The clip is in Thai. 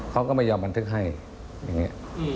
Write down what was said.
เขาก็ไม่ยอมบันทึกให้อย่างนี้